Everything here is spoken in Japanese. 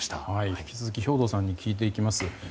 引き続き兵頭さんに聞いていきます。